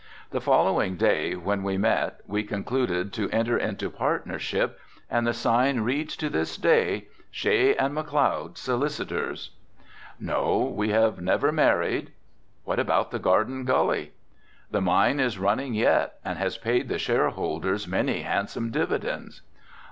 The following day when we met we concluded to enter into partnership and the sign reads to this day, Shea & McLeod, solicitors. "No, we have never married." "What about the Garden Gully?" "The mine is running yet and has paid the shareholders many handsome dividends."